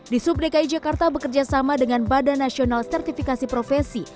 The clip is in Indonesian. di subdki jakarta bekerjasama dengan badan nasional sertifikasi profesi